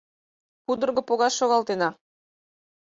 Пудырго погаш шогалтена.